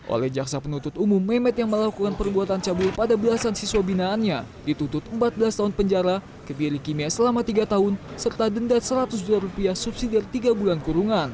oleh jaksa penuntut umum memet yang melakukan perbuatan cabul pada belasan siswa binaannya dituntut empat belas tahun penjara kebiri kimia selama tiga tahun serta denda seratus juta rupiah subsidi dari tiga bulan kurungan